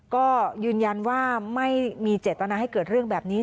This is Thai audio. ก็ยืนยันว่าไม่มีเจตนาให้เกิดเรื่องแบบนี้